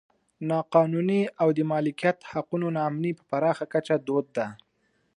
نا قانوني او د مالکیت حقونو نا امني په پراخه کچه دود ده.